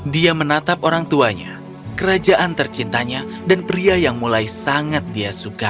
dia menatap orang tuanya kerajaan tercintanya dan pria yang mulai sangat dia suka